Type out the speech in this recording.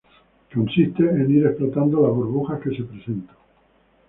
Consiste en ir explotando las burbujas que se presentan.